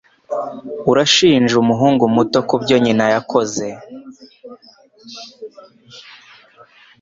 Urashinja umuhungu muto kubyo nyina yakoze?